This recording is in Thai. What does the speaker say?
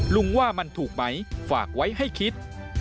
ว่ามันถูกไหมฝากไว้ให้คิด